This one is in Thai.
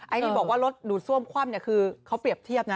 อันนี้บอกว่ารถดูดซ่วมคว่ำเนี่ยคือเขาเปรียบเทียบนะ